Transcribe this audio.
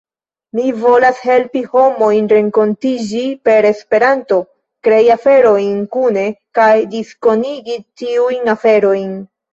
Mi volas helpi homojn renkontiĝi per Esperanto, krei aferojn kune, kaj diskonigi tiujn aferojn.